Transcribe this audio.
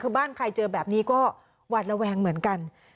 คือบ้านใครเจอแบบนี้ก็หวาดระแวงเหมือนกัน